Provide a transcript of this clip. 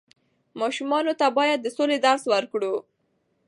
ماشومانو ته بايد د سولې درس ورکړو.